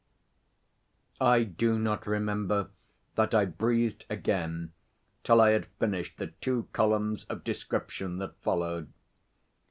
I do not remember that I breathed again till I had finished the two columns of description that followed.